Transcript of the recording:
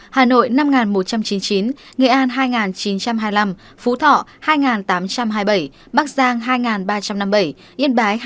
hà nội năm một trăm chín mươi chín nghệ an hai chín trăm hai mươi năm phú thọ hai tám trăm hai mươi bảy bắc giang hai ba trăm năm mươi bảy yên bái hai hai trăm tám mươi